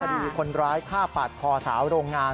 ดีคนร้ายฆ่าปาดคอสาวโรงงาน